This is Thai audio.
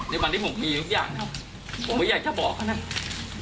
ในวันที่ผมมีทุกอย่างนะครับผมก็อยากจะบอกเขานะ